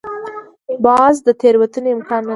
باز د تېروتنې امکان نه لري